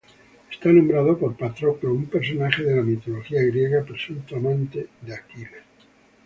Está nombrado por Patroclo, un personaje de la mitología griega, presunto amante de Aquiles.